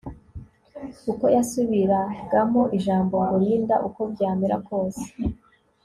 uko yasubiragamo ijambo ngo Linda uko byamera kose